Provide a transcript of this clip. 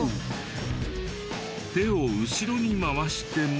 手を後ろに回しても。